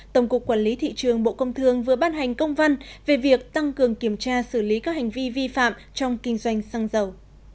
tổng cục quản lý thị trường bộ công thương vừa ban hành công văn về việc tăng cường kiểm tra xử lý các hành vi vi phạm trong kinh doanh xăng dầu